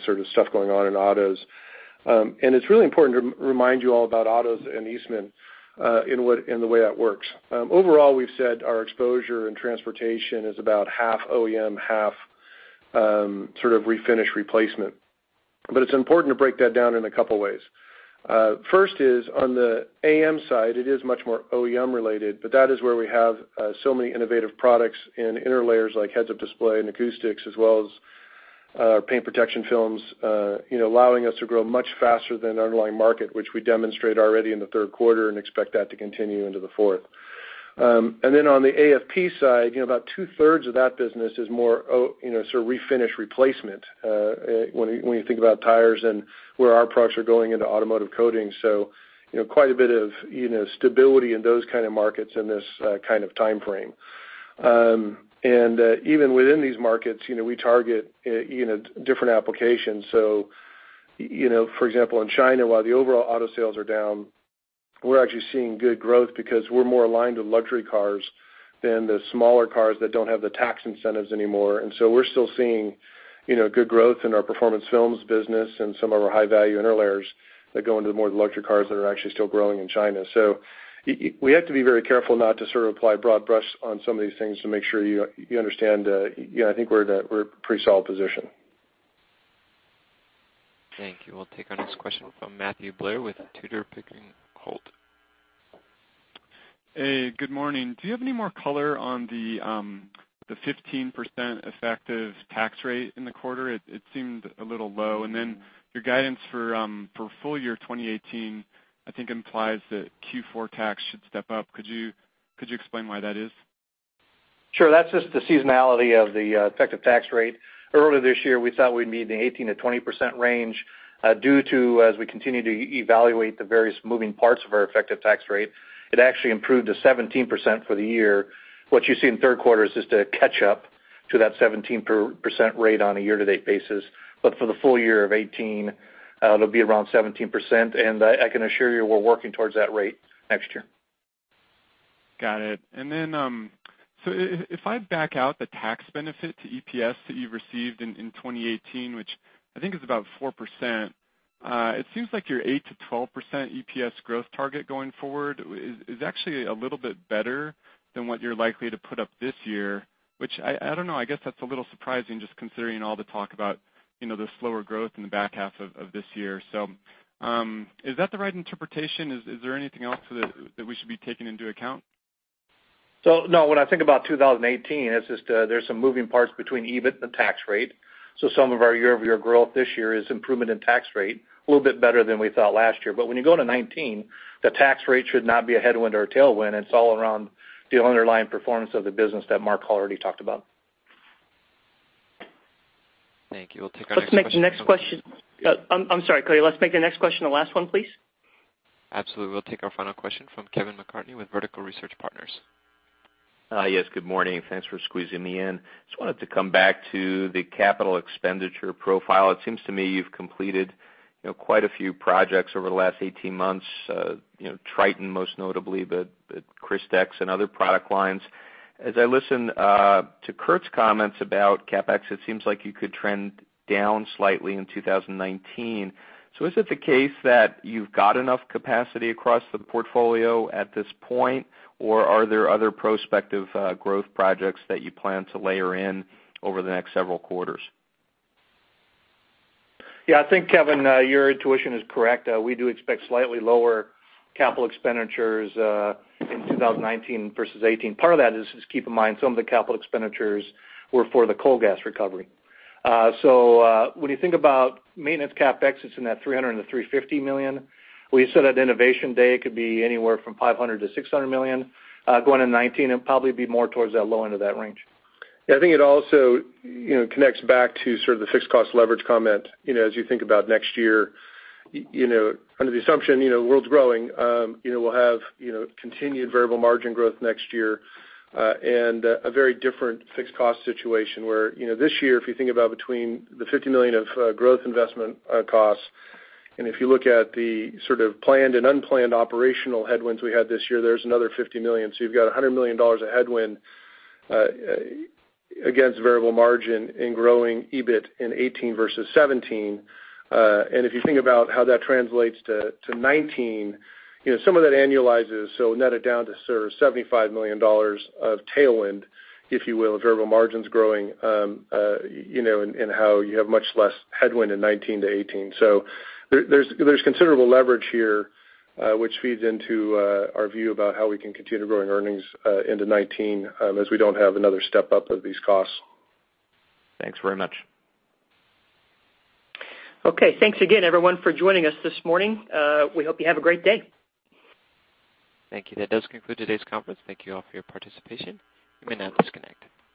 sort of stuff going on in autos. It's really important to remind you all about autos and Eastman in the way that works. Overall, we've said our exposure in transportation is about half OEM, half sort of refinish replacement. It's important to break that down in a couple ways. First is on the AM side, it is much more OEM related, but that is where we have so many innovative products in interlayers like heads-up display and acoustics, as well as paint protection films allowing us to grow much faster than underlying market, which we demonstrate already in the third quarter and expect that to continue into the fourth. On the AFP side, about two-thirds of that business is more sort of refinish replacement, when you think about tires and where our products are going into automotive coatings. Quite a bit of stability in those kind of markets in this kind of time frame. Even within these markets, we target different applications. For example, in China, while the overall auto sales are down, we're actually seeing good growth because we're more aligned with luxury cars than the smaller cars that don't have the tax incentives anymore. We're still seeing good growth in our Performance Films business and some of our high-value interlayers that go into the more luxury cars that are actually still growing in China. We have to be very careful not to sort of apply broad brush on some of these things to make sure you understand, I think we're at a pretty solid position. Thank you. We'll take our next question from Matthew Blair with Tudor, Pickering, Holt. Hey, good morning. Do you have any more color on the 15% effective tax rate in the quarter? It seemed a little low. Your guidance for full year 2018, I think, implies that Q4 tax should step up. Could you explain why that is? Sure. That's just the seasonality of the effective tax rate. Earlier this year, we thought we'd be in the 18%-20% range. Due to, as we continue to evaluate the various moving parts of our effective tax rate, it actually improved to 17% for the year. What you see in third quarter is just a catch up to that 17% rate on a year-to-date basis. For the full year of 2018, it'll be around 17%. I can assure you we're working towards that rate next year. Got it. If I back out the tax benefit to EPS that you've received in 2018, which I think is about 4%, it seems like your 8%-12% EPS growth target going forward is actually a little bit better than what you're likely to put up this year, which I don't know, I guess that's a little surprising just considering all the talk about the slower growth in the back half of this year. Is that the right interpretation? Is there anything else that we should be taking into account? No, when I think about 2018, it's just there's some moving parts between EBIT and tax rate. Some of our year-over-year growth this year is improvement in tax rate, a little bit better than we thought last year. When you go to 2019, the tax rate should not be a headwind or a tailwind. It's all around the underlying performance of the business that Mark already talked about. Thank you. We'll take our next question. I'm sorry, Cody. Let's make the next question the last one, please. Absolutely. We'll take our final question from Kevin McCarthy with Vertical Research Partners. Yes, good morning. Thanks for squeezing me in. Wanted to come back to the capital expenditure profile. It seems to me you've completed quite a few projects over the last 18 months. Tritan, most notably, but Crystex and other product lines. As I listen to Curt's comments about CapEx, it seems like you could trend down slightly in 2019. Is it the case that you've got enough capacity across the portfolio at this point, or are there other prospective growth projects that you plan to layer in over the next several quarters? I think, Kevin, your intuition is correct. We do expect slightly lower capital expenditures in 2019 versus 2018. Part of that is, keep in mind, some of the capital expenditures were for the coal gas recovery. When you think about maintenance CapEx, it's in that $300 million to $350 million. We said at Innovation Day it could be anywhere from $500 million to $600 million. Going into 2019, it'll probably be more towards that low end of that range. I think it also connects back to sort of the fixed cost leverage comment. As you think about next year, under the assumption world's growing, we'll have continued variable margin growth next year, and a very different fixed cost situation where this year, if you think about between the $50 million of growth investment costs, and if you look at the sort of planned and unplanned operational headwinds we had this year, there's another $50 million. You've got $100 million of headwind against variable margin in growing EBIT in 2018 versus 2017. If you think about how that translates to 2019, some of that annualizes, net it down to sort of $75 million of tailwind, if you will, of variable margins growing, and how you have much less headwind in 2019 to 2018. There's considerable leverage here, which feeds into our view about how we can continue growing earnings into 2019, as we don't have another step up of these costs. Thanks very much. Okay, thanks again, everyone, for joining us this morning. We hope you have a great day. Thank you. That does conclude today's conference. Thank you all for your participation. You may now disconnect.